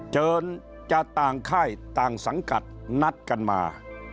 เชิญจากต่างค่ายต่างสังกัดนัดกันมา